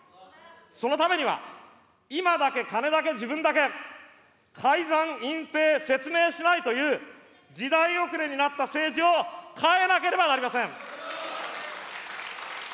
そのためには、今だけ、金だけ、自分だけ、改ざん、隠蔽、説明しないという、時代遅れになった政治を変えなければなりません。